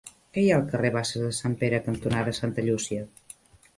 Què hi ha al carrer Basses de Sant Pere cantonada Santa Llúcia?